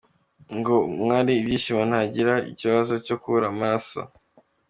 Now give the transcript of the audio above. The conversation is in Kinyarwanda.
Ngo uwariye ibishyimbo nta gira ikibazo cyo kubura amaraso.